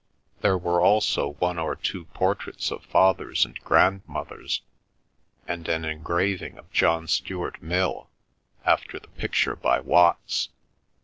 There were also one or two portraits of fathers and grandmothers, and an engraving of John Stuart Mill, after the picture by Watts.